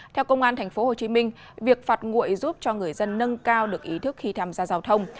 theo công an tp hcm việc phạt nguội giúp cho người dân nâng cao được ý thức khi tham gia giao thông